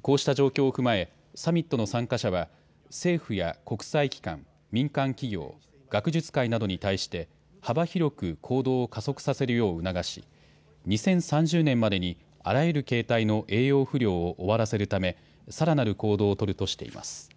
こうした状況を踏まえサミットの参加者は政府や国際機関、民間企業、学術界などに対して幅広く行動を加速させるよう促し２０３０年までにあらゆる形態の栄養不良を終わらせるためさらなる行動を取るとしています。